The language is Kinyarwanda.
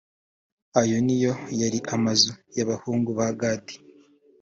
ayo ni yo yari amazu y’abahungu ba gadi.